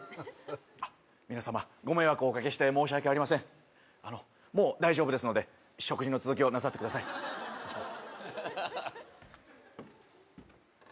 あ皆様ご迷惑をおかけして申し訳ありませんもう大丈夫ですので食事の続きをなさってください失礼します